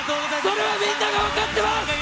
それはみんなが分かってます。